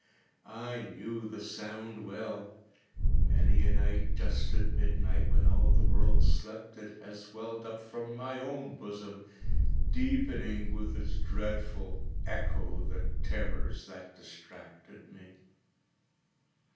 I knew the sound well. Many a night, just at midnight, when all the world slept, it has welled up from my own bosom, deepening, with its dreadful echo, the terrors that distracted me.